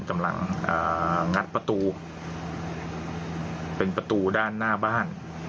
กำลังงัดประตูเป็นประตูด้านหน้าบ้าน